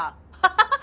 ハハハッ！